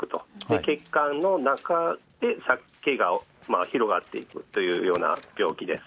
血管の中で裂けが広がっていくというような病気です。